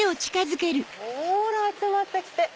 ほら集まって来て。